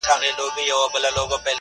د زړو شرابو ډکي دوې پیالې دي,